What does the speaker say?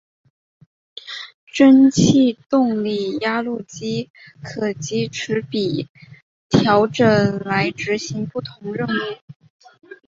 蒸气动力压路机可藉齿比调整来执行不同任务。